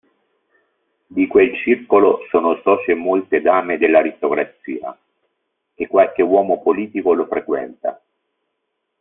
Di quel circolo sono socie molte dame dell'aristocrazia, e qualche uomo politico lo frequenta.